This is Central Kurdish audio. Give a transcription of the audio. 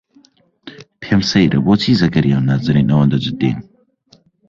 پێم سەیرە بۆچی زەکەریا و نازەنین ئەوەندە جددین.